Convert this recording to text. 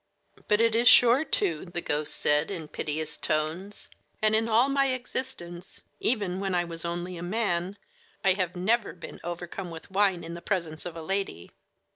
"But it is sure to," the ghost said, in piteous tones; "and in all my existence, even when I was only a man, I have never been overcome with wine in the presence of a lady."